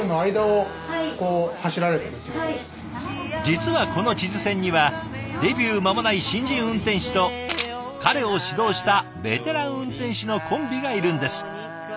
実はこの智頭線にはデビュー間もない新人運転士と彼を指導したベテラン運転士のコンビがいるんです。